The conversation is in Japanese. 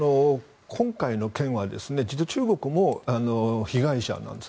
今回の件は、中国も被害者なんです。